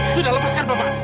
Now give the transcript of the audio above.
sudah lepaskan bapak